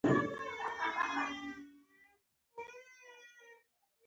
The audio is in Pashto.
وړینو تولیداتو پر کتان خپلې غلبې ته دوام ورکړ.